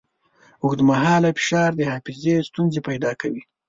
اوږدمهاله فشار د حافظې ستونزې پیدا کوي.